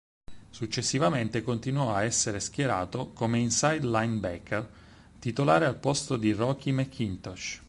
Successivamente continuò ad essere schierato come "inside linebacker" titolare al posto di Rocky McIntosh.